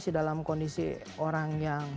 kehidupan di dunia